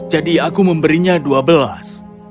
jadi aku memberinya dua belas